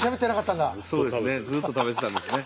そうですねずっと食べてたんですね